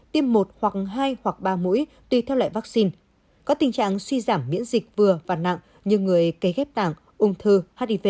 tiêm một hoặc hai hoặc ba mũi tùy theo loại vaccine có tình trạng suy giảm miễn dịch vừa và nặng như người cấy ghép tảng ung thư hiv